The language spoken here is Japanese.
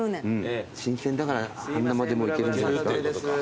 新鮮だから半生でもいけるんじゃないですか？